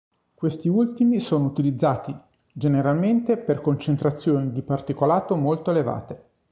Questi ultimi sono utilizzati generalmente per concentrazioni di particolato molto elevate.